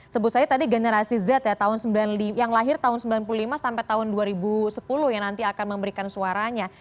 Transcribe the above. sebut saja tadi generasi z ya tahun yang lahir tahun seribu sembilan ratus sembilan puluh lima sampai tahun dua ribu sepuluh yang nanti akan memberikan suaranya